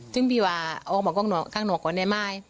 ถึงพี่หว่าอ้องมากล้องหรือก็ไม่มี